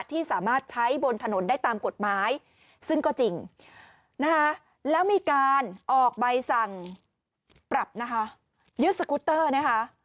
ที่สามารถใช้บนถนนได้ตามกฎหมายซึ่งก็จริงนะคะแล้วมีการออกใบสั่งปรับนะคะยึดสกุตเตอร์นะคะ